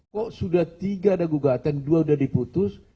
kok sudah tiga ada gugatan dua sudah diputus